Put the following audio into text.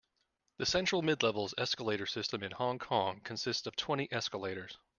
The Central-Midlevels escalator system in Hong Kong consists of twenty escalators.